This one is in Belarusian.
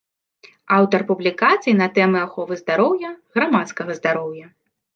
Аўтар публікацый на тэмы аховы здароўя, грамадскага здароўя.